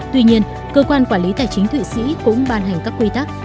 tuy nhiên cơ quan quản lý tài chính thụy sĩ cũng ban hành các quy tắc